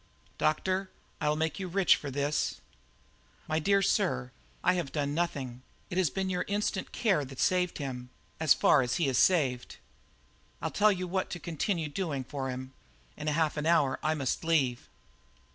"Doctor, I'll make you rich for this!" "My dear sir, I've done nothing; it has been your instant care that saved him as far as he is saved. I'll tell you what to continue doing for him; in half an hour I must leave."